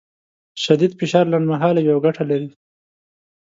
شدید فشار لنډمهاله وي او ګټه لري.